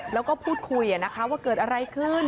แล้วก็พูดคุยว่าเกิดอะไรขึ้น